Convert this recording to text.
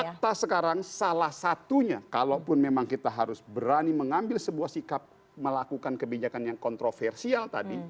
fakta sekarang salah satunya kalaupun memang kita harus berani mengambil sebuah sikap melakukan kebijakan yang kontroversial tadi